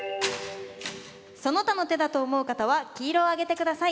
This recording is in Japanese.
その他の手だと思う方は黄色を上げてください。